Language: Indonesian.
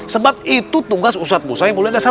sebab itu tugas ustadz musa yang mulai dasar